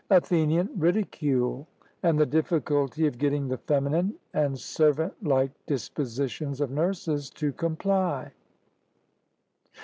ATHENIAN: Ridicule, and the difficulty of getting the feminine and servant like dispositions of the nurses to comply.